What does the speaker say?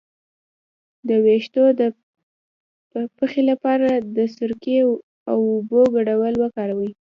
د ویښتو د پخې لپاره د سرکې او اوبو ګډول وکاروئ